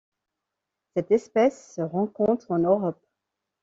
Cette espèce se rencontre en Europe.